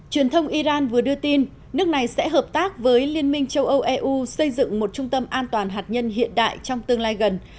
truyền thông iran vừa đưa tin nước này sẽ hợp tác với liên minh châu âu eu xây dựng một trung tâm an toàn hạt nhân hiện đại trong tương lai gần